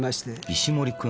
石森君。